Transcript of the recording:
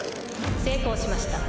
成功しました。